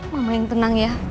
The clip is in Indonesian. mama yang tenang ya